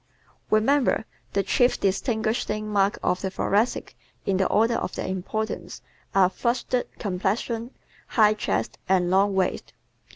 _Remember, the chief distinguishing marks of the Thoracic in the order of their importance, are FLUSHED COMPLEXION, HIGH CHEST and LONG WAIST.